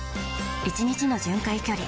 １日の巡回距離